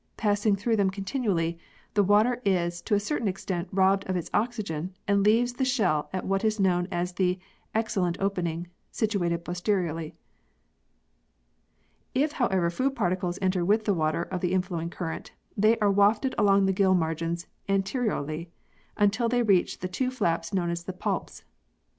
Passing through them continually, the water is to a certain extent robbed of its oxygen and leaves the shell at what is known as the exhalent opening, situated posteriorly. If however food particles enter with the water of the inflowing current, they are wafted along the gill margins anteriorly, until they reach the two flaps known as the palps.